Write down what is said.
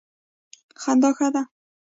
خندا ښه ده.